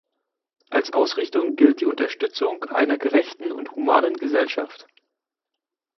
Als Ausrichtung gilt die Unterstützung einer gerechten und humanen Gesellschaft.